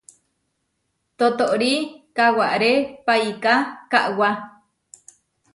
Totóri kaʼwaré paiká kaʼwá.